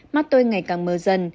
mắt tôi ngày càng mờ dần